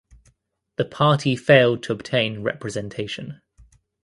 The party failed to obtain representation.